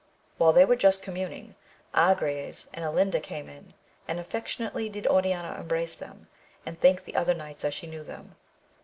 While they were thus communing, Agrayes and OHnda came in, and affec tionately did Oriana embrace them, and thank the other knights as she knew them.